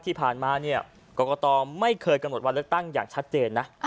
ที่ผ่านมาเนี่ยกรกตไม่เคยกำหนดวันเลือกตั้งอย่างชัดเจนนะ